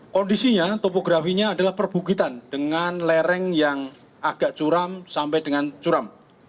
kondisinya topografinya adalah perbukitan dengan lereng yang agak curam sampai dengan curam